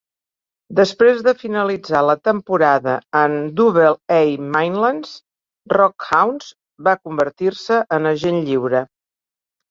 Després de finalitzar la temporada amb Double-A Midland RockHounds, va convertir-se en agent lliure.